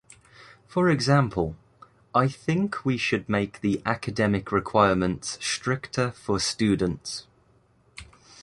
For example, I think we should make the academic requirements stricter for students.